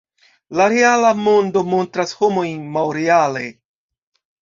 La reala mondo montras homojn malreale.